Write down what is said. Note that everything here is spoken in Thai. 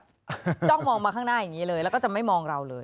จ้องมองมาข้างหน้าอย่างนี้เลยแล้วก็จะไม่มองเราเลย